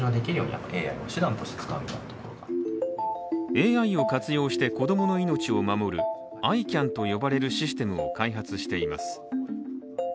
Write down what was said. ＡＩを活用して子供の命を守るＡｉＣＡＮと呼ばれるシステムを開発しています。